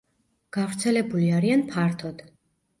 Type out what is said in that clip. გავრცელებული არიან ფართოდ.